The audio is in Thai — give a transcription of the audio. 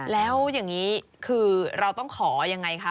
แล้วอย่างนี้คือเราต้องขอยังไงคะ